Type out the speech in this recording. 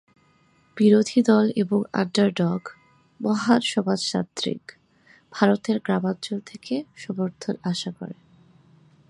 বিরোধী দল এবং আন্ডারডগ, মহান সমাজতান্ত্রিক, ভারতের গ্রামাঞ্চল থেকে সমর্থন আশা করেন।